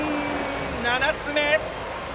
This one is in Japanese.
７つ目。